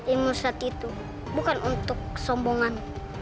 imusat itu bukan untuk kesombongan